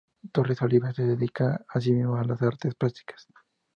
Torres Oliver se dedica asimismo a las artes plásticas.